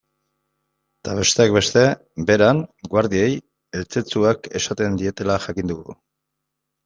Eta, besteak beste, Beran guardiei eltzetzuak esaten dietela jakin dugu.